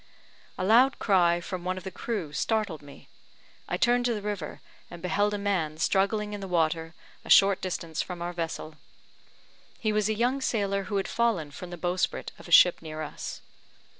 A loud cry from one of the crew startled me; I turned to the river, and beheld a man struggling in the water a short distance from our vessel. He was a young sailor, who had fallen from the bowsprit of a ship near us.